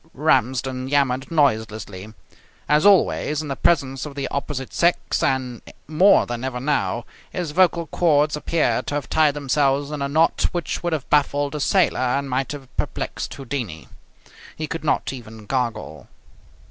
Ramsden yammered noiselessly. As always in the presence of the opposite sex, and more than ever now, his vocal cords appeared to have tied themselves in a knot which would have baffled a sailor and might have perplexed Houdini. He could not even gargle.